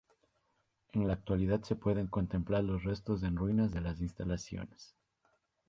En la actualidad se pueden contemplar los restos en ruinas de las instalaciones.